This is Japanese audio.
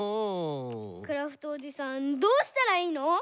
クラフトおじさんどうしたらいいの？